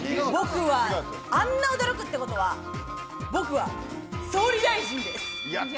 あんな驚くってことは僕は総理大臣です。